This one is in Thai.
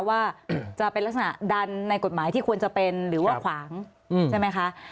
ว่าจะเป็นลักษณะดันในกฎหมายที่ควรจะเป็นหรือว่าขวางใช่ไหมคะ